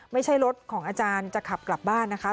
ไม่ใช่รถของอาจารย์จะขับกลับบ้านนะคะ